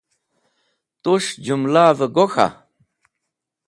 Tus̃h jũmlavẽ gok̃ha?